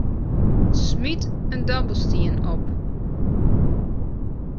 Smyt in dobbelstien op.